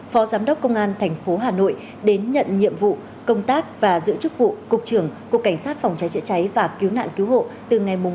phó giám đốc công an thành phố hà nội đến nhận nhiệm vụ công tác và giữ chức vụ cục trưởng cục cảnh sát phòng cháy chữa cháy và cứu nạn cứu hộ từ ngày một chín hai nghìn một mươi chín